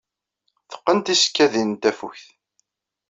Teqqen tisekkadin n tafukt.